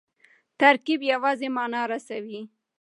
ترکیب یوازي مانا رسوي.